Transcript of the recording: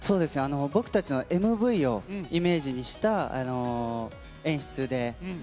僕たちのＭＶをイメージした演出です。